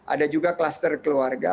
ada juga kluster keluarga